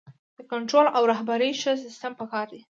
د کنټرول او رهبرۍ ښه سیستم پکار دی.